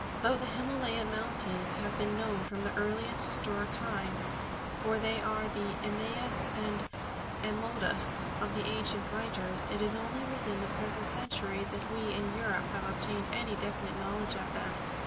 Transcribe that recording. Though the Himalaya mountains have been known from the earliest historic times for they are the Imaus and Emodus of the ancient writers it is only within the present century that we in Europe have obtained any definite knowledge of them.